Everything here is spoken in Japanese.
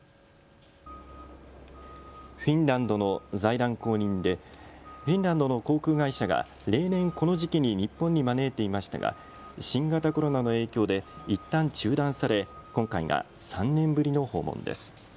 フィンランドの財団公認でフィンランドの航空会社が例年、この時期に日本に招いていましたが新型コロナの影響でいったん中断され今回が３年ぶりの訪問です。